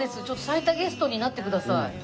ちょっと最多ゲストになってください。